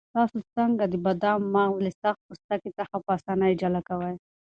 تاسو څنګه د بادامو مغز له سخت پوستکي څخه په اسانۍ جلا کوئ؟